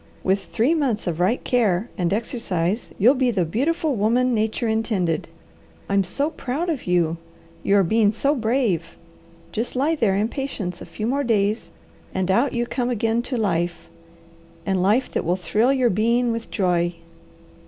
With three months of right care and exercise you'll be the beautiful woman nature intended. I'm so proud of you. You are being so brave! Just lie there in patience a few more days, and out you come again to life; and life that will thrill your being with joy."